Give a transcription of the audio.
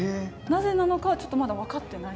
なぜなのかはちょっとまだ分かってない。